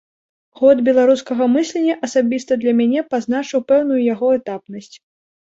Год беларускага мыслення асабіста для мяне пазначыў пэўную яго этапнасць.